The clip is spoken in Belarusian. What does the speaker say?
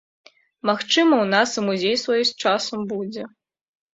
Магчыма, у нас і музей свой з часам будзе.